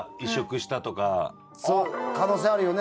その可能性あるよね。